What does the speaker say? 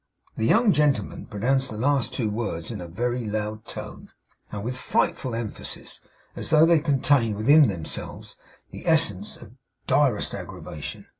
The young gentleman pronounced the two last words in a very loud tone and with frightful emphasis, as though they contained within themselves the essence of the direst aggravation.